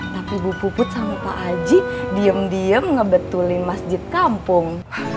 tapi bu puput sama pak aji diem diem ngebetulin masjid kampung